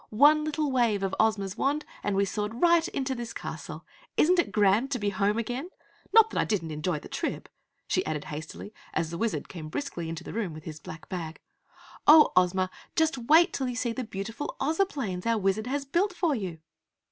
"One little wave of Ozma's wand and we soared right into this castle! Isn't it grand to be home again? Not that I didn't enjoy the trip," she added hastily, as the Wizard came briskly into the room with his black bag. "Oh, Ozma! Just wait till you see the beautiful Ozoplanes our Wizard has built for you!"